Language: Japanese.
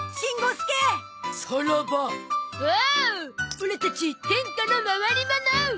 オラたち天下の回りもの！